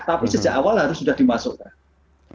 tapi sejak awal harus sudah dimasukkan